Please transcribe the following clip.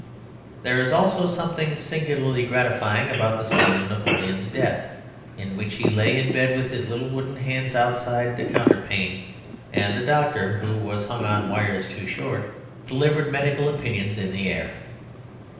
There is also something singularly gratifying about the scene of Napoleon's death, in which he lay in bed with his little wooden hands outside the counterpane and the doctor (who was hung on wires too short) "delivered medical opinions in the air."